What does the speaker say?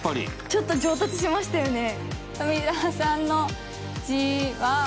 ちょっと上達しましたよね。